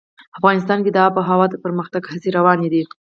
افغانستان کې د آب وهوا د پرمختګ هڅې روانې دي.